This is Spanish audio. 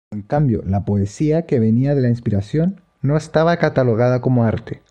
En cambio, la poesía, que venía de la inspiración, no estaba catalogada como arte.